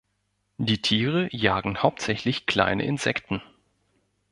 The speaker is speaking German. Die Tiere jagen hauptsächlich kleine Insekten.